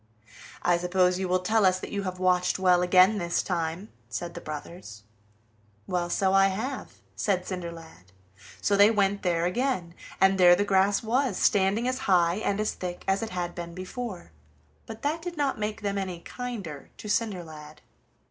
"I suppose you will tell us that you have watched well again this time," said the brothers. "Well, so I have," said Cinderlad. So they went there again, and there the grass was, standing as high and as thick as it had been before, but that did not make them any kinder to Cinderlad.